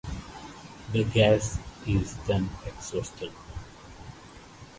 The gas is then exhausted.